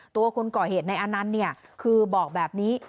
ตัวคนก่อเหตุในอนันต์เนี่ยคือบอกแบบนี้